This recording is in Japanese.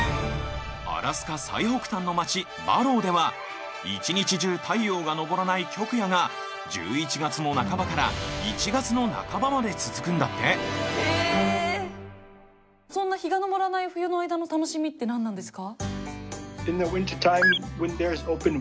アラスカ最北端の町バローでは一日中太陽が昇らない極夜が１１月の半ばから１月の半ばまで続くんだってそんな日が昇らない冬の間の楽しみって何なんですか？